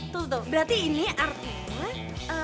tuh berarti ini artinya